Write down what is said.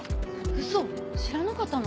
ウソ知らなかったの？